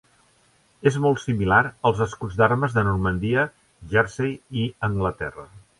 És molt similar als escuts d'armes de Normandia, Jersey i Anglaterra.